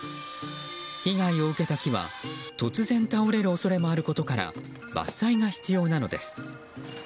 被害を受けた木は突然倒れる恐れもあることから伐採が必要なのです。